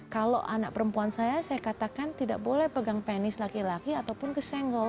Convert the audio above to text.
kalau anak perempuan saya saya katakan tidak boleh pegang penis laki laki ataupun kesenggol